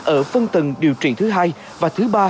ở phân tầng điều trị thứ hai và thứ ba